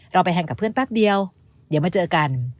เราไปแฮนกับเพื่อนแป๊บเดียวเดี๋ยวมาเจอกัน